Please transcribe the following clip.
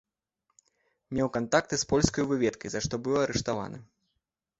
Меў кантакты з польскай выведкай, за што быў арыштаваны.